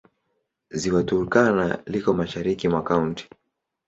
Ziwa Turkana liko mashariki mwa kaunti.